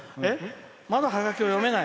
まだハガキを読めない？